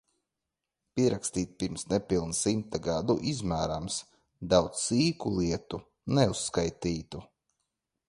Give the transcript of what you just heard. Pierakstīts pirms nepilna simta gadu, izmērāms. Daudz sīku lietu, neuzskaitītu.